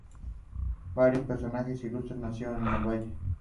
Varios personajes ilustres nacieron en el valle.